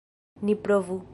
Ni provu!